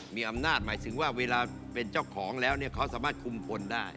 หมายถึงว่าเวลาเป็นเจ้าของแล้วเขาสามารถคุมผลได้